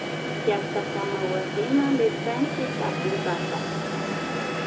Llactakamaywasiman rirkanchi tapunkapa.